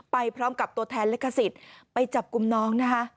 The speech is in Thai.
ไปพร้อมกับตัวแทนลิขสิทธิ์ไปจับกลุ่มน้องนะคะ